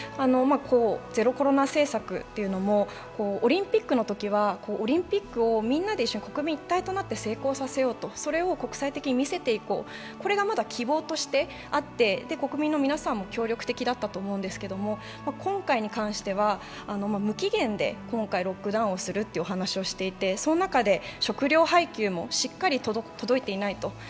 ゼロコロナ政策というのも、オリンピックのときはオリンピックをみんなで国民一体となって成功させよう、それを国際的に見せていこう、これがまだ希望としてあって国民の皆さんも協力的だったと思うんですけど、今回に関しては、無期限でロックダウンをするというお話をしていてその中で食料配給もしっかり届いていない。